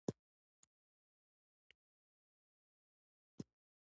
• دقیقه د بدلون شیبه ده.